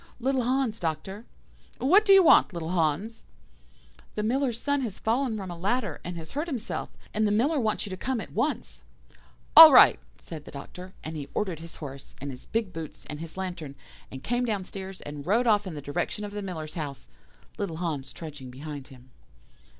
"'Little Hans, Doctor.' "'What do you want, little Hans?' "'The Miller's son has fallen from a ladder, and has hurt himself, and the Miller wants you to come at once.' "'All right!' said the Doctor; and he ordered his horse, and his big boots, and his lantern, and came downstairs, and rode off in the direction of the Miller's house, little Hans trudging behind him.